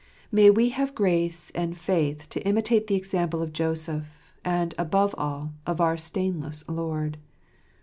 May we have grace and faith to imitate the example of Joseph, and, above all, of our stainless Lord.